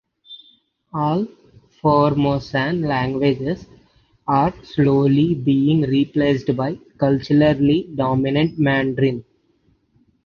All Formosan languages are slowly being replaced by the culturally dominant Mandarin.